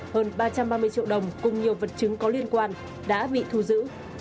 hơn ba trăm ba mươi triệu đồng cùng nhiều vật chứng có liên quan đã bị thu giữ